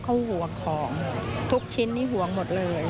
เขาห่วงของทุกชิ้นนี้ห่วงหมดเลย